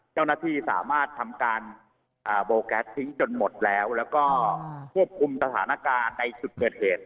เจ้าหน้าที่สามารถทำการโบแก๊สทิ้งจนหมดแล้วแล้วก็ควบคุมสถานการณ์ในจุดเกิดเหตุ